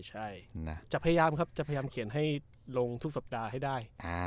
ใช่จะพยายามเขียนให้ลงทุกสัปดาห์ให้ได้